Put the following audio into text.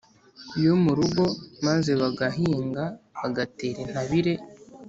yo mu rugo maze bagahinga, bagatera intabire,